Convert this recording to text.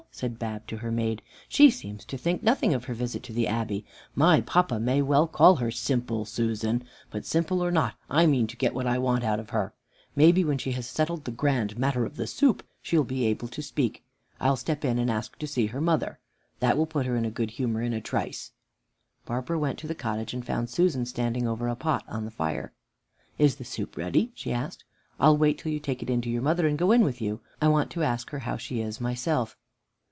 said Bab to her maid. "She seems to think nothing of her visit to the Abbey. My papa may well call her Simple Susan. But simple or not I mean to get what I want out of her. Maybe when she has settled the grand matter of the soup, she'll be able to speak. I'll step in and ask to see her mother. That will put her in a good humor in a trice." Barbara went to the cottage and found Susan standing over a pot on the fire. "Is the soup ready?" she asked. "I'll wait till you take it in to your mother and go in with you. I want to ask her how she is, myself."